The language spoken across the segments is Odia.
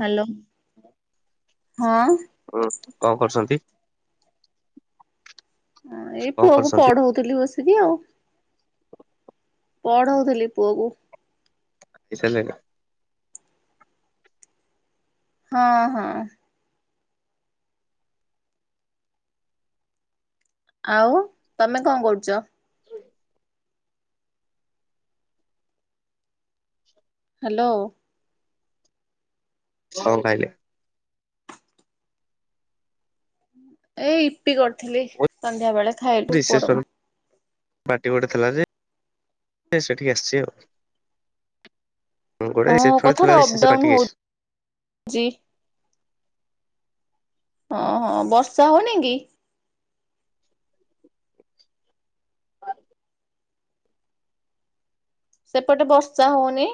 ହ୍ୟାଲୋ ହଁ। ହୁଁ କଣ କରୁଛନ୍ତି। ଆ ଏଇ କଣ ପୁଅ କୁ କରୁଛନ୍ତି ପଢଉଥିଲି ବସି। ସୁଭିଲା ଆଉ ପଢଉଥିଲି ପୁଅକୁ। ଖାଇସାରିଲିନି ନା। ହଁ ହଁ। ଆଉ ତମେ କଣ କରୁଚ। ହ୍ୟାଲୋ। କଣ ଖାଇଲେ। ଏଇ ଇପି କରିଥିଲି ମୁଁ ସନ୍ଧ୍ୟା ବେଳେ ଖାଇଲୁ ପୁଅର ମୁ ପାଟି ଗୋଟେ ଥିଲା ଯେ ସେ ସେଠିକି ଆସିଛି ଆଉ। [unintelligible] ମୁଁ ଗୋଟେ ହଁ [unintelligible] ବିଶେଷ ପାଟିଏ। ଜି। ହଁ ହଁ ବର୍ଷା ହଉନି କି? ସେପଟେ ବର୍ଷା ହଉନି?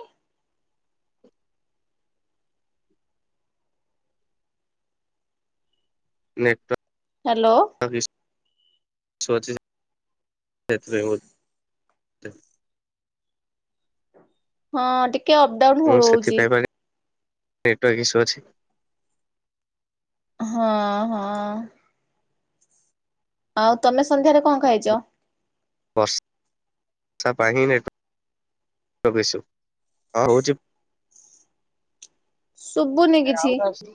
ନାଇଁ ତ। ହ୍ୟାଲୋ। [unintelligible] ହଁ ଟିକେ ଅପଡାଉନ ମୁଁ ହଉଛି। ସେଥିପାଇଁ ମାନେ ନେଟୱାର୍କ ଇସୁ ଅଛି। ହଁ ହଁ। ଆଉ ତମେ ସନ୍ଧ୍ୟାରେ କଣ ଖାଇଛ? ବର୍ଷା ପାଣିରେ ପାଇଁ ନେଟୱାର୍କ ଇସୁ ହଁ ହଉଛି। ଶୁବୁନି କିଛି। ହଉଛି।